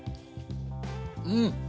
うん！